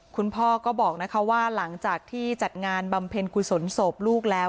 คุณพ่อก็บอกว่าหลังจากที่จัดงานบำเพ็ญกุศลศพลูกแล้ว